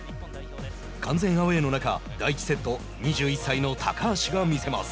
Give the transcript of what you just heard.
完全アウェーの中、第１セット２１歳の高橋が見せます。